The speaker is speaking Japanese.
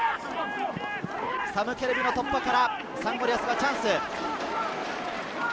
サム・ケレビの突破からサンゴリアスがチャンス。